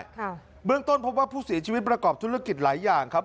ค่ะเบื้องต้นพบว่าผู้เสียชีวิตประกอบธุรกิจหลายอย่างครับ